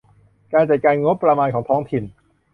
การจัดการงบประมาณของท้องถิ่น